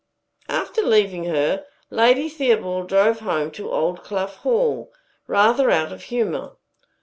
After leaving her, Lady Theobald drove home to Oldclough Hall, rather out of humor.